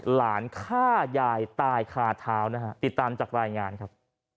หลานฆ่ายายตายคาเท้านะฮะติดตามจากรายงานครับ